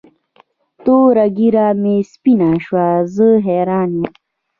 توره ږیره مې سپینه شوه زه حیران یم.